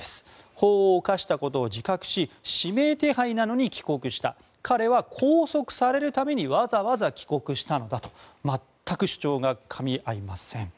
法を犯したことを自覚し指名手配なのに帰国した彼は拘束されるためにわざわざ帰国したのだと全く主張がかみ合いません。